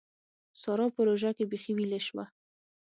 سارا په روژه کې بېخي ويلې شوه.